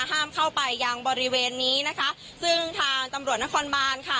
ห้ามเข้าไปยังบริเวณนี้นะคะซึ่งทางตำรวจนครบานค่ะ